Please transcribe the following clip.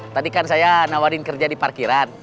tadi kan saya nawarin kerja di parkiran